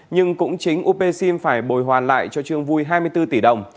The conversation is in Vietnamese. nhưng cũng chính upsim phải bồi hoàn lại cho trương vui hai mươi bốn tỷ đồng